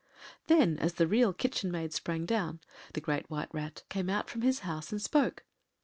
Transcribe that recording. Then, as the Real Kitchen Maid sprang down, the Great White Rat came out from his house and spoke.